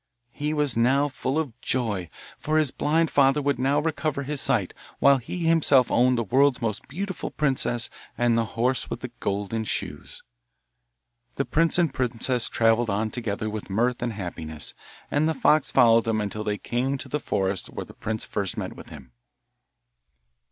He was now full of joy, for his blind father would now recover his sight, while he himself owned the world's most beautiful princess and the horse with the golden shoes. The prince and princess travelled on together with mirth and happiness, and the fox followed them until they came to the forest where the prince first met with him.